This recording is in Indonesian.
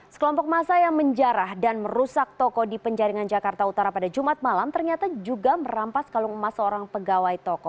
sekelompok masa yang menjarah dan merusak toko di penjaringan jakarta utara pada jumat malam ternyata juga merampas kalung emas seorang pegawai toko